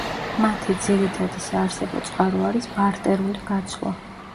მათი ძირითადი საარსებო წყარო არის ბარტერული გაცვლა.